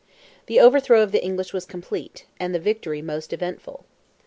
The overthrow of the English was complete, and the victory most eventful.